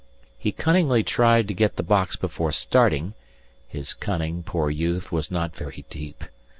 He cunningly tried to get the box before starting his cunning, poor youth, was not very deep!